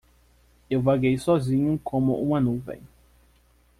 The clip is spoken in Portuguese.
Eu vaguei sozinho como uma nuvem.